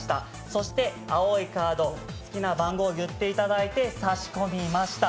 そして青いカード、好きな番号を言っていただいて差し込みました。